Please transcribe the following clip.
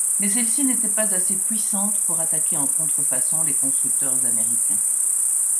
Mais celle-ci n'était pas assez puissante pour attaquer en contrefaçon les constructeurs américains.